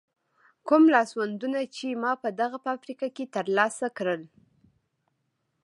کوم لاسوندونه چې ما په دغه فابریکه کې تر لاسه کړل.